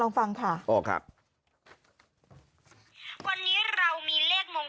เป็นแนวทางในการซื้อสระกินแบ่งและหลุด